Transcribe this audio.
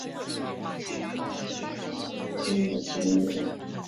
丝须深巨口鱼为辐鳍鱼纲巨口鱼目巨口鱼科的其中一种。